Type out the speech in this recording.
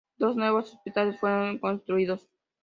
Dos nuevos hospitales fueron construidos.